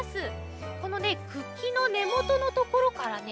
このねくきのねもとのところからね